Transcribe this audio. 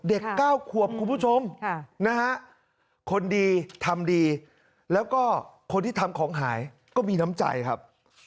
๙ขวบคุณผู้ชมนะฮะคนดีทำดีแล้วก็คนที่ทำของหายก็มีน้ำใจครับ